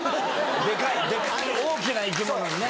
デカい大きな生き物にね。